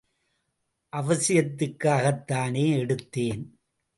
அவசியத்துக்காகத் தானே எடுத்தேன்.